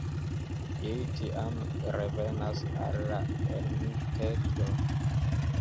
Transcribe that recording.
Ili tiam revenas al la ermitejo.